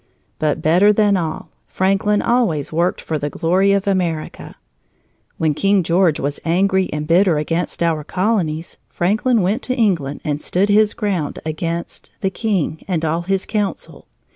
But better than all, Franklin always worked for the glory of America. When King George was angry and bitter against our colonies, Franklin went to England and stood his ground against the king and all his council.